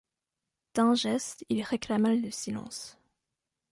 D’un geste, il réclama le silence.